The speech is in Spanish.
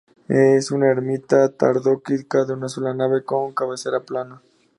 Es una ermita tardogótica de una sola nave, con cabecera plana.